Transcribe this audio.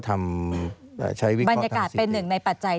บรรยากาศเป็นหนึ่งในปัจจัย